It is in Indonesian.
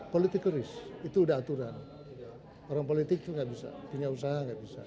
political risk itu udah aturan orang politik itu gak bisa punya usaha gak bisa